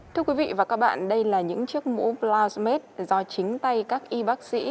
thưa quý vị và các bạn đây là những chiếc mũ blasmade do chính tay các y bác sĩ